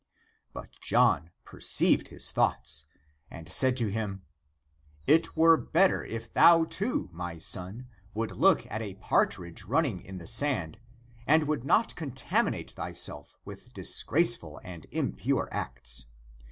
" But John perceived his thoughts and said to him, " It were better if thou, too, my son, would look at a partridge running in the sand, and would not con taminate thyself with disgraceful and impure acts.